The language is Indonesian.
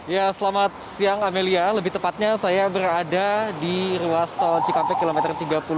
ya selamat siang amelia lebih tepatnya saya berada di ruas tol cikampek kilometer tiga puluh dua